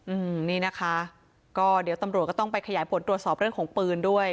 อืมนี่นะคะก็เดี๋ยวตำรวจก็ต้องไปขยายผลตรวจสอบเรื่องของปืนด้วย